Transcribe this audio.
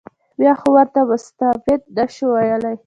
بیا خو ورته مستبد نه شو ویلای.